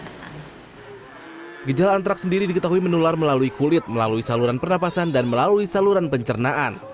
gejala antraks sendiri diketahui menular melalui kulit melalui saluran pernafasan dan melalui saluran pencernaan